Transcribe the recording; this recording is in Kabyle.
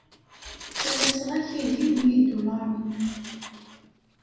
Ttalaseɣ-ak agim n yidulaṛen.